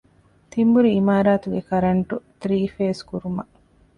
ތިންބުރި އިމާރާތުގެ ކަރަންޓް ތްރީފޭސް ކުރުމަށް